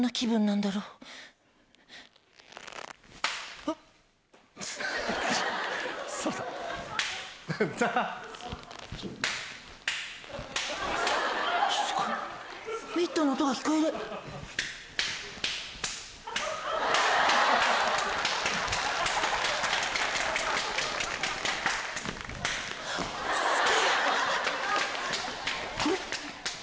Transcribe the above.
あれ？